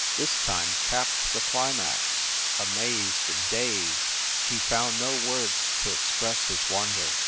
This time capped the cli max. Amazed and dazed, he found no words to express his wonder.